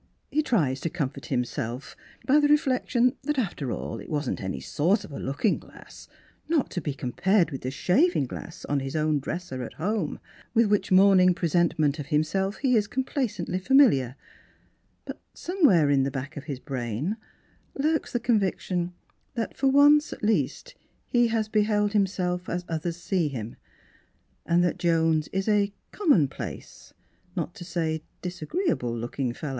He tries to comfort himself by the reflection that, after all, it wasn't any sort of a looking glass, not to be compared with the shav ing glass on his own dresser at home, with which morning presentment of himself he is complacently familiar; but somewhere in the back of his brain lurks the convic tion that for once, at least, he has beheld himself as others see him, and that Jones is a commonplace, not to say disagreeable looking fellow.